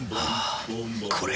これ。